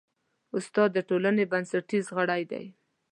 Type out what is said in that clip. استاد د ټولنې بنسټیز غړی دی.